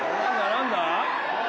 何だ？